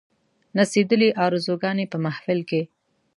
نڅېدلې آرزوګاني په محفل کښي